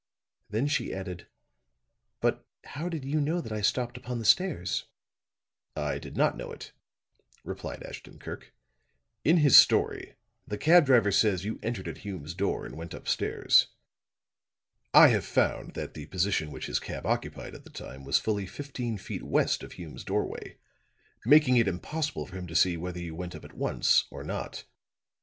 Then she added: "But how did you know that I stopped upon the stairs?" "I did not know it," replied Ashton Kirk. "In his story the cab driver says you entered at Hume's door and went upstairs. I have found that the position which his cab occupied at the time was fully fifteen feet west of Hume's doorway, making it impossible for him to see whether you went up at once, or not.